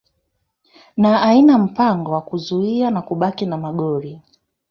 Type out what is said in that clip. na ina mpango wa kuzuia na kubaki na magoli